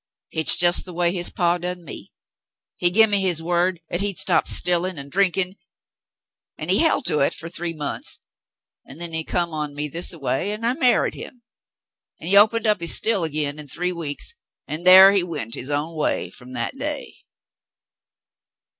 Hit's jes' the way his paw Frale Returns 159 done me. He gin me his word 'at he'd stop 'stillin' an' drinkin', an' he helt to hit fer three months, an' then he come on me this a way an' I married him, an' he opened up his still again in three weeks, an' thar he went his own way f'om that day."